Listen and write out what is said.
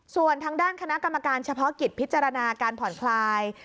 ส่วนทางด้านคณะกรรมการเฉพาะกิจพิจารณาการผ่อนคลาย